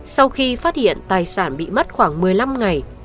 sau khi phát hiện tài sản bị mất khoảng một mươi năm ngày